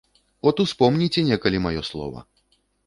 От успомніце некалі маё слова.